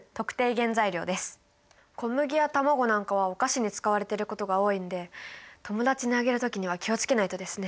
小麦や卵なんかはお菓子に使われてることが多いんで友達にあげる時には気を付けないとですね。